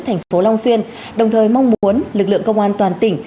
thành phố long xuyên đồng thời mong muốn lực lượng công an toàn tỉnh